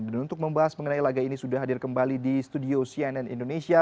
dan untuk membahas mengenai laga ini sudah hadir kembali di studio cnn indonesia